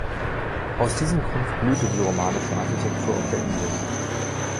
Aus diesem Grund blühte die romanische Architektur auf der Insel.